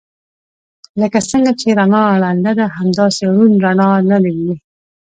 لکه څنګه چې رڼا ړنده ده همداسې ړوند رڼا نه ويني.